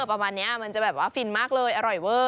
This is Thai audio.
ประมาณนี้มันจะแบบว่าฟินมากเลยอร่อยเวอร์